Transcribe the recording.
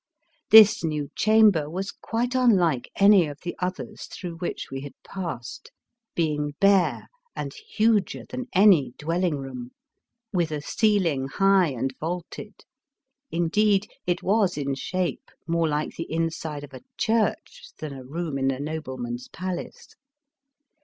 This new chamber was quite unlike any of the others through which we had passed, being bare and huger than any dwelling room, with a ceiling high and vaulted ; indeed, it was in shape more like the inside of a church than a room in a nobleman's palace.